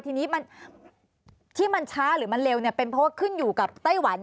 ทีนี้ที่มันช้าหรือมันเร็วเนี่ยเป็นเพราะว่าขึ้นอยู่กับไต้หวัน